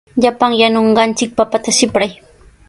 Llapan yanunqanchik papata sipray.